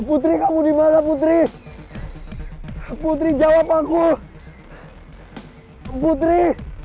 putri kamu dimana putri putri jawab aku putri